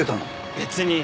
別に。